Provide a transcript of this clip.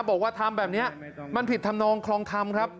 บอกว่าทำแบบนี้มันผิดธรรมนองคลองธรรมครับ